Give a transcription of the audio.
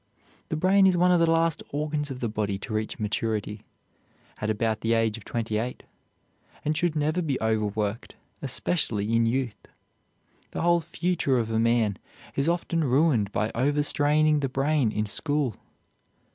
The brain is one of the last organs of the body to reach maturity (at about the age of twenty eight), and should never be overworked, especially in youth. The whole future of a man is often ruined by over straining the brain in school.